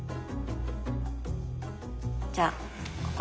じゃあここ。